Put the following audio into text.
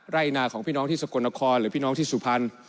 ไร่นาของพี่น้องที่สกลนครหรือพี่น้องที่สุพรรณ